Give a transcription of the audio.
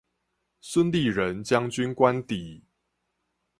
孫立人將軍官邸